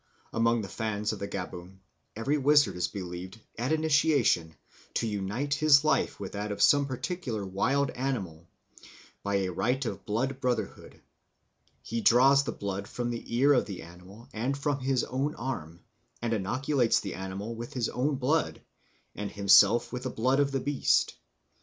Among the Fans of the Gaboon every wizard is believed at initiation to unite his life with that of some particular wild animal by a rite of blood brotherhood; he draws blood from the ear of the animal and from his own arm, and inoculates the animal with his own blood, and himself with the blood of the beast.